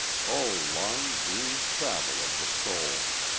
O long dream travel of the soul!